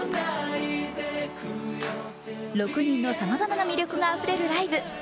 ６人のさまざまな魅力があふれるライブ。